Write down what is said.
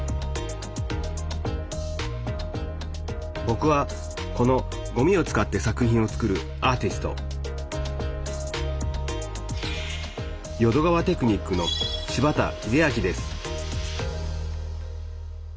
ぼくはこのごみを使って作品を作るアーティスト淀川テクニックの柴田英昭です